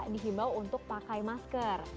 dihimbau untuk pakai masker